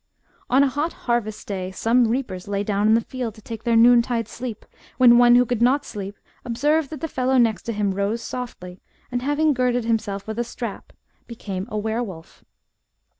On a hot harvest day some reapers lay down in the field to take their noontide sleep, when one who could not sleep observed that the fellow next to him rose softly, and having girded himself with a strap, became a were wolf.